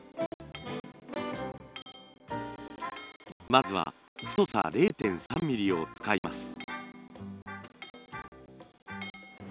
まずは太さ０．３ミリを使います。